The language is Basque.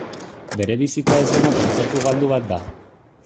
Berebizikoa ez dena kontzertu galdu bat da.